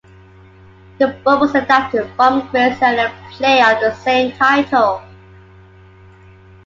The book was adapted from Gray's earlier play of the same title.